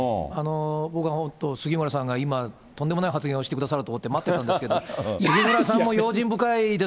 僕は本当、杉村さんが今、とんでもない発言をしてくださると思って待ってたんですけど。